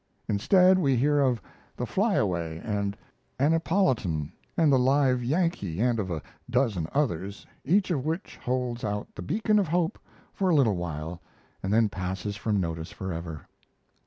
Instead, we hear of the "Flyaway;" and "Annipolitan" and the "Live Yankee" and of a dozen others, each of which holds out the beacon of hope for a little while and then passes from notice forever.